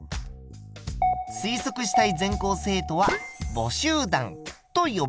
推測したい全校生徒は母集団と呼ばれます。